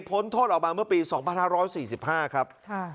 พ้นโทษออกมาเมื่อปีสองพันห้าร้อยสี่สิบห้าครับครับ